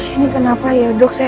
ini kenapa ya dok